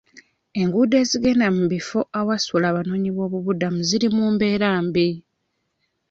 Enguudo ezigenda mu bifo ewasula abanooboobubudamu ziri mu mbeera mbi.